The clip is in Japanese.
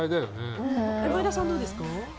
前田さん、どうですか？